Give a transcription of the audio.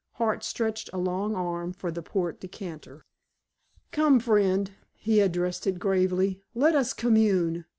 Hart stretched a long arm for the port decanter. "Come, friend!" he addressed it gravely. "Let us commune!